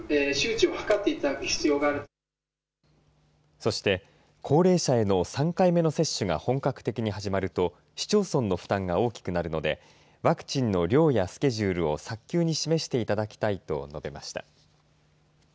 そして高齢者への３回目の接種が本格的に始まると市町村の負担が大きくなるのでワクチンの量やスケジュールを早急に示していただきたいと述べました。